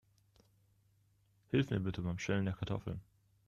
Hilf mir bitte beim Schälen der Kartoffeln.